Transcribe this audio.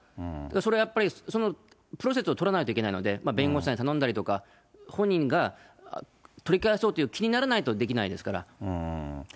それはやっぱり、そのプロセスを取らないといけないので、弁護士さんに頼んだりとか、本人が取り返そうという気にならないとできないですから。